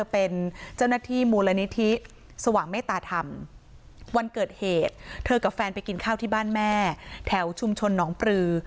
ไปกินข้าวที่บ้านแม่แถวชุมชนหนองปลือ